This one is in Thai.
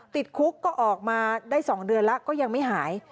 ติดคุกก็ออกมาได้๒เดือนแล้วก็ยังไม่หาย